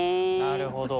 なるほど。